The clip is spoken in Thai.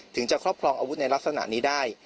ถึงจะครอบครองอาวุธในลักษณะนี้ได้